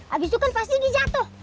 abis itu kan pasti dijatuh